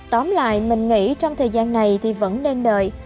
tóm lại mình nghĩ trong thời gian này thì vẫn nên đợi